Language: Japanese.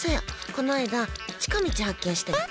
この間、近道発見してん。